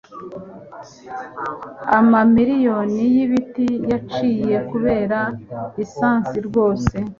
Amamiriyoni y'ibiti yaciwe kubera lisansi rwose